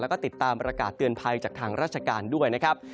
แล้วก็ติดตามประกาศเตือนภัยจากทางราชการด้วยนะครับ